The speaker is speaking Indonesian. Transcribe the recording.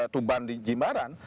tuban di jimbaran